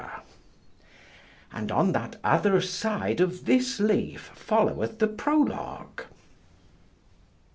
And on that other side of this leaf followeth the prologue.